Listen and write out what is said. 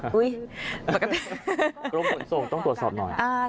กรมส่วนส่งต้องตรวจสอบหน่อย